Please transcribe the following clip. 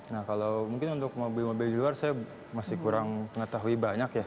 nah kalau mungkin untuk mobil mobil di luar saya masih kurang mengetahui banyak ya